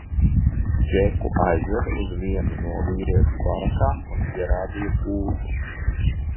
Džeku aizveda uz vienu no vīriešu barakām un ierādīja gultu.